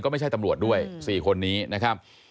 ไม่ใช่ตำรวจด้วย๔คนนี้นะครับ